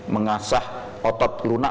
mengasah otot lunak